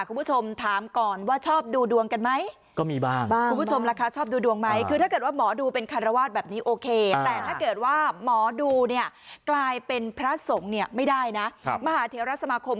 คุณผู้ชมถามก่อนว่าชอบดูดวงกันไหม